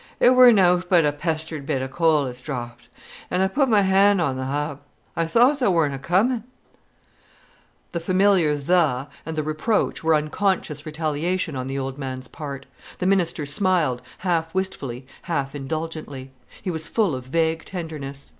"It wor nöwt but a pestered bit o' coal as dropped, an' I put my hand on th' hub. I thought tha worna commin'." The familiar 'tha', and the reproach, were unconscious retaliation on the old man's part. The minister smiled, half wistfully, half indulgently. He was full of vague tenderness.